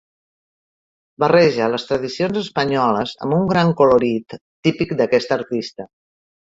Barreja les tradicions espanyoles amb un gran colorit típic d'aquesta artista.